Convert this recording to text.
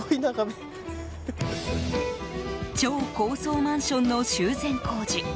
超高層マンションの修繕工事